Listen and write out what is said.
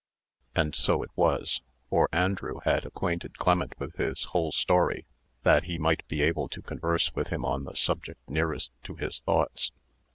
(And so it was, for Andrew had acquainted Clement with his whole story, that he might be able to converse with him on the subject nearest to his thoughts.)